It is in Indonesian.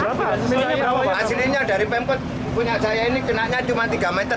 hasilnya dari pemkot punya saya ini kenanya cuma tiga meter